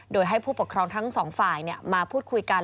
โดยให้ผู้ปกครองทั้งสองฝ่ายมาพูดคุยกัน